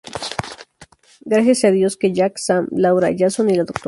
Gracias a Dios que Jack, Sam, Laura, Jason y la Dra.